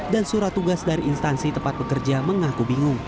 dan surat tugas dari instansi tempat bekerja mengaku bingung